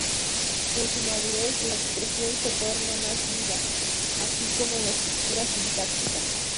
En su madurez, la expresión se torna más viva, así como la estructura sintáctica.